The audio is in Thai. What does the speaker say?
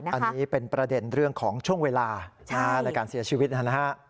อันนี้เป็นประเด็นเรื่องของช่วงเวลาในการเสียชีวิตนะฮะ